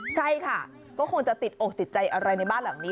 ใช่ค่ะก็คงจะติดอกติดใจอะไรในบ้านหลังนี้